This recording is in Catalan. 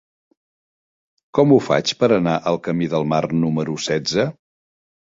Com ho faig per anar al camí del Mar número setze?